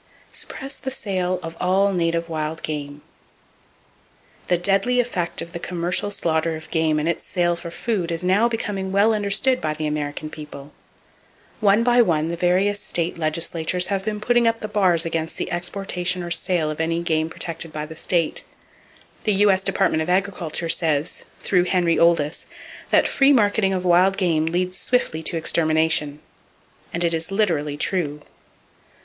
Suppress The Sale Of All Native Wild Game .—The deadly effect of the commercial slaughter of game and its sale for food is now becoming well understood by the American people. One by one the various state legislatures have been putting up the bars against the exportation or sale of any "game protected by the state." The U.S. Department of Agriculture says, through Henry Oldys, that "free marketing of wild game leads swiftly to extermination;" and it is literally true.